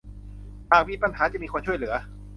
หากมีปัญหาจะมีคนช่วยเหลือ